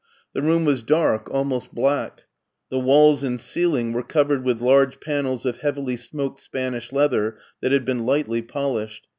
The room was dark, almost black; the walls and ceiling were covered with large panels of heavily smoked Spanish leather that had been lightly polished.